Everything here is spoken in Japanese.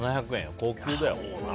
高級だよ。